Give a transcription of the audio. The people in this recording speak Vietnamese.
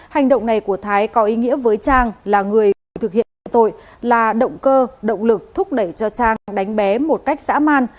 hành động này của thái có ý nghĩa với trang là người cùng thực hiện nhận tội là động cơ động lực thúc đẩy cho trang đánh bé một cách dã man